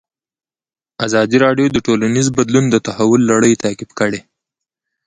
ازادي راډیو د ټولنیز بدلون د تحول لړۍ تعقیب کړې.